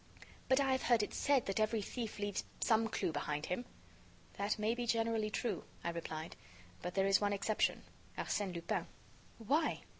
"But I have heard it said that every thief leaves some clue behind him." "That may be generally true," I replied, "but there is one exception: Arsène Lupin." "Why?"